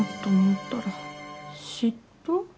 嫉妬？